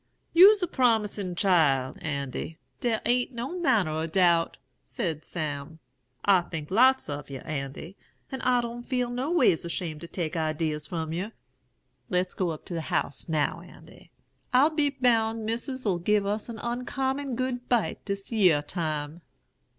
"'You's a promisin' chile, Andy, der a'n't no manner o' doubt,' said Sam. 'I think lots of yer, Andy; and I don't feel no ways ashamed to take idees from yer. Let's go up to the house now, Andy. I'll be boun' Missis'll give us an uncommon good bite dis yere time.'"